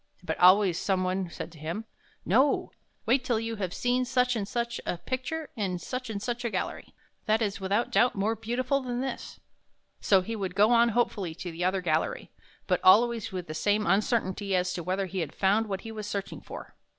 " But always some one said to him: " No; wait till you have seen such and such a picture in such and such a gallery. That is without doubt more beautiful than this. " So he would 53 THE HUNT FOR THE BEAUTIFUL go on hopefully to the other gallery, but always with the same uncertainty as to whether he had found what he was searching for.